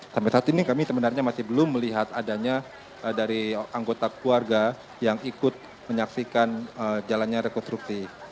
sampai saat ini kami sebenarnya masih belum melihat adanya dari anggota keluarga yang ikut menyaksikan jalannya rekonstruksi